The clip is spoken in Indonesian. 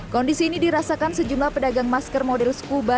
kondisi ini dirasakan sejumlah pedagang masker model skuba